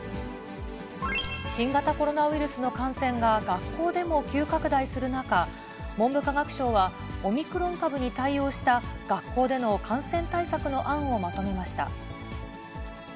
新型コロナウイルスの感染が学校でも急拡大する中、文部科学省は、オミクロン株に対応した学校での感染対策の案をまとめました。